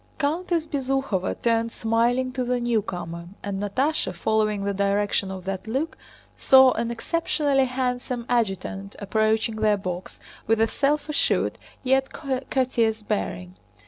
Countess Bezúkhova turned smiling to the newcomer, and Natásha, following the direction of that look, saw an exceptionally handsome adjutant approaching their box with a self assured yet courteous bearing.